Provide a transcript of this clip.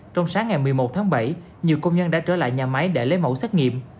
trong sáng ngày một mươi một tháng bảy nhiều công nhân đã trở lại nhà máy để lấy mẫu xét nghiệm